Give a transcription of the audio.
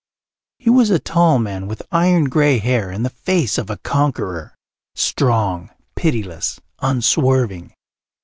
He was a tall man with iron grey hair and the face of a conqueror strong, pitiless, unswerving.